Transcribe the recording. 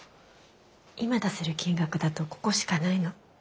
今出せる金額だとここしかないの。